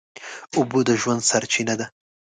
اوبه د ژوند سرچینه ده.